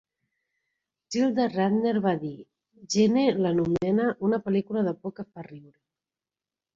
Gilda Radner va dir: "Gene l'anomena "una pel·lícula de por que fa riure"".